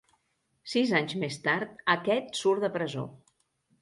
Sis anys més tard, aquest surt de presó.